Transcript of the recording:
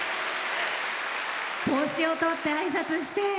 帽子をとって、あいさつして。